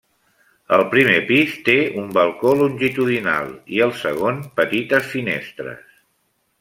El primer pis té un balcó longitudinal i el segon, petites finestres.